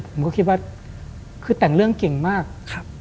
ผมก็คิดว่าคือแต่งเรื่องเก่งมาก